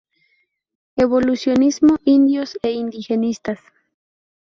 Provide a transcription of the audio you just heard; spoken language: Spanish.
Evolucionismo, indios e indigenistas.